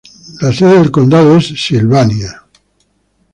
La sede del condado es Sylvania.